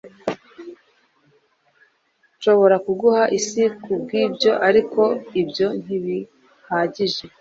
nshobora kuguha isi kubwibyo, ariko ibyo ntibihagije